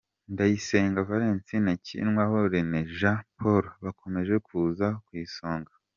:Ndayisenga Valens na Ukiniwabo René Jean Paul bakomeje kuza ku isonga.